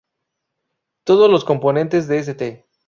Todos los componentes de St.